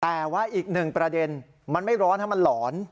แต่ว่าอีกหนึ่งประเด็นมันไม่ร้อนให้มันหลอน